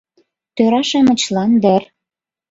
— Тӧра-шамычлан дыр...